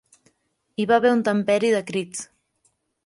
Hi va haver un temperi de crits.